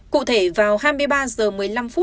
cụ thể vào hai mươi ba h một mươi năm phút